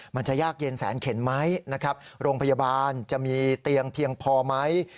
มันจะยากเย็นแสนเข็นไหมนะครับโรงพยาบาลจะมีเตียงเพียงพอไหม